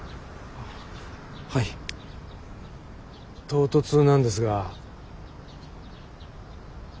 唐突なんですが。